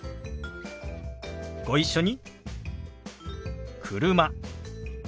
ご一緒に。